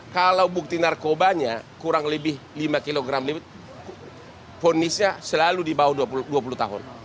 kalau bukti narkobanya kurang lebih lima kg lebih ponisnya selalu di bawah dua puluh tahun